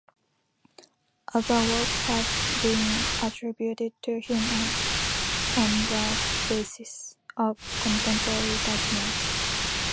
Other works have been attributed to him on the basis of contemporary documents.